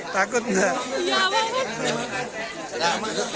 takutnya ya banget